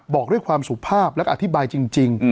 บอกด้วยความสุภาพและอธิบายจริง